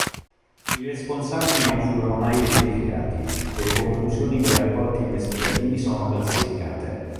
I responsabili non furono mai identificati, e le conclusioni dei rapporti investigativi sono classificate.